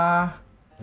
latihan futsal mulu